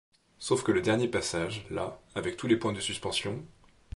Sauf que le dernier passage, là, avec tous les points de suspension…